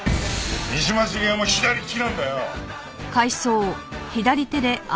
三島茂夫も左利きなんだよ！